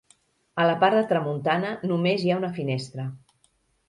A la part de tramuntana només hi ha una finestra.